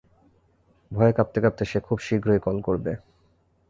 ভয়ে কাঁপতে কাঁপতে সে খুব শীঘ্রই কল করবে।